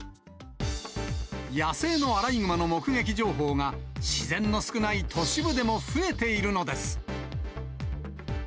野生のアライグマの目撃情報が、自然の少ない都市部でも増えているのです。